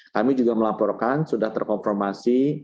kami juga melaporkan sudah terkonformasi